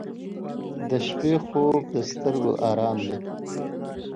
• د شپې خوب د سترګو آرام دی.